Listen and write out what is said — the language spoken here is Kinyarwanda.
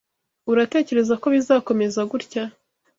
Uratekereza ko bizakomeza gutya?